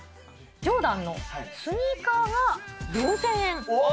ジョーダンのスニーカーは４０００円。